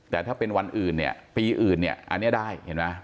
แต่ถ้าเป็นวันอื่นเนี่ยปีอื่นเนี่ยอันนี้ได้เห็นไหม